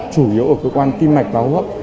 chủ yếu ở cơ quan tim mạch và hô hấp